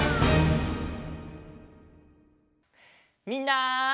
みんな！